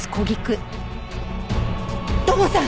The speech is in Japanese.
土門さん！